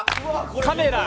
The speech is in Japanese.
カメラ、